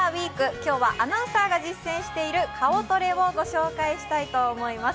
今日はアナウンサーが実践している顔トレをご紹介したいと思います。